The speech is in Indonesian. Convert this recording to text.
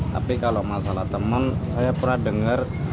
tapi kalau masalah teman saya pernah dengar